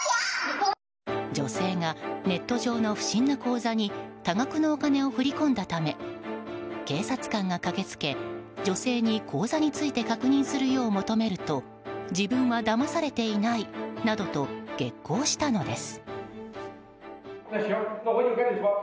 女性がネット上の不審な口座に多額のお金を振り込んだため警察官が駆けつけ女性に口座について確認するよう求めると自分は騙されていないなどと激高したのです。